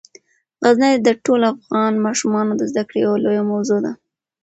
غزني د ټولو افغان ماشومانو د زده کړې یوه لویه موضوع ده.